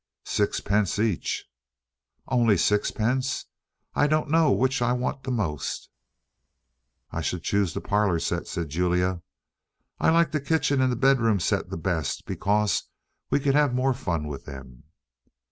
"Sixpence each." "Only sixpence! I don't know which I want the most." "I should choose the parlour set," said Julia. "I like the kitchen and the bedroom set the best, because we could have more fun with them."